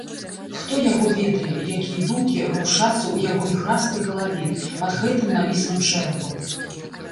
Хто яго ведае, якія думкі варушацца ў яго віхрастай галаве, пад гэтым навіслым чэрапам.